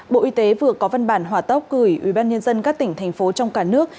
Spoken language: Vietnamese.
bộ y tế vừa có văn bản hỏa tốc gửi ubnd các tỉnh thành phố trong cả nước